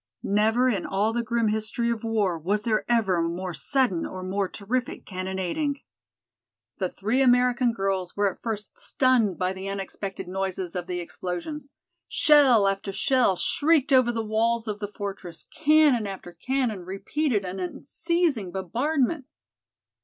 Never in all the grim history of war was there ever a more sudden or more terrific cannonading. The three American girls were at first stunned by the unexpected noises of the explosions. Shell after shell shrieked over the walls of the fortress, cannon after cannon repeated an unceasing bombardment.